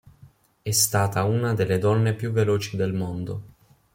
È stata una delle donne più veloci del mondo.